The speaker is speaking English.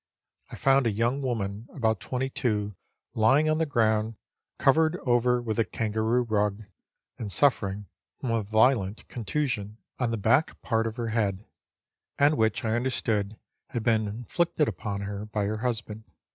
I found a young woman, about 22, lying on the ground, covered over with a kangaroo rug, and suffering from a violent contusion Letters from Victorian Pioneers. 299" on the back part of her head, and which I understood had been inflicted upon her by her husband.